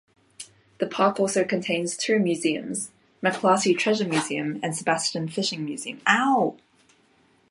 The park also contains two museums: McLarty Treasure Museum and Sebastian Fishing Museum.